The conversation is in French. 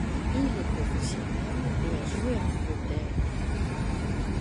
Il est professionnel et a joué en Angleterre.